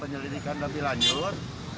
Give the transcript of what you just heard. penyelidikan lebih lanjut